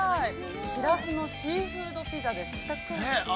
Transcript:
◆シラスのシーフードピザです。